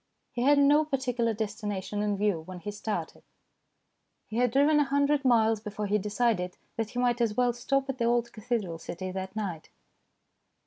He had no particular destination in view when he started ; he had driven a hundred miles before he decided that he might as well stop at the old cathedral city that night.